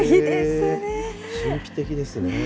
神秘的ですね。